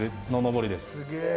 すげえ。